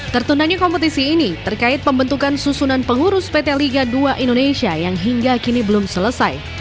tertundanya kompetisi ini terkait pembentukan susunan pengurus pt liga dua indonesia yang hingga kini belum selesai